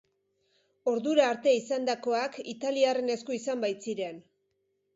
Ordura arte izandakoak italiarren esku izan baitziren.